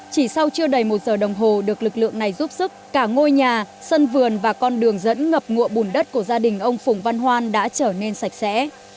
chỉ sau chưa đầy một giờ đồng hồ được lực lượng này giúp sức cả ngôi nhà sân vườn và con đường dẫn ngập ngụa bùn đất của gia đình ông phùng văn hoan đã trở nên sạch sẽ